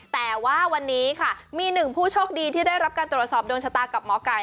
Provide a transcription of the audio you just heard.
แต่ว่าวันนี้ค่ะมีหนึ่งผู้โชคดีที่ได้รับการตรวจสอบดวงชะตากับหมอไก่